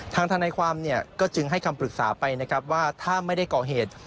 ทนายความก็จึงให้คำปรึกษาไปนะครับว่าถ้าไม่ได้ก่อเหตุ